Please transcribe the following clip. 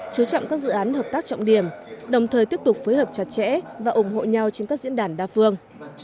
chú trọng các dự án hợp tác trọng điểm đồng thời tiếp tục phối hợp chặt chẽ và ủng hộ nhau trên các diễn đàn đa phương